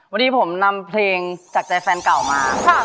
วันนี้ผมนำเพลงจากใจแฟนเก่ามา